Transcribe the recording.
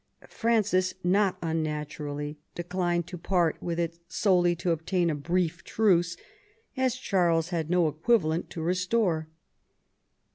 Francis not un naturally declined to part with it solely to obtain a brief truce, as Charles had no equivalent to restore.